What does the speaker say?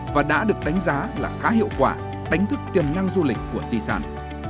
và đã được đánh giá là khá hiệu quả đánh thức tiềm năng du lịch của di sản